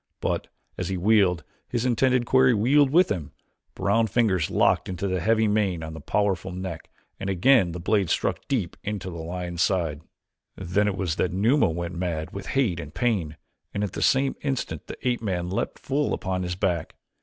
But as he wheeled, his intended quarry wheeled with him, brown fingers locked in the heavy mane on the powerful neck and again the blade struck deep into the lion's side. Then it was that Numa went mad with hate and pain and at the same instant the ape man leaped full upon his back.